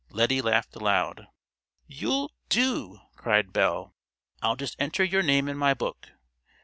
Lettie laughed aloud. "You'll do," cried Belle. "I'll just enter your name in my book.